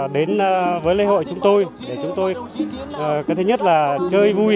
đến với lễ hội chúng tôi để chúng tôi cái thứ nhất là chơi vui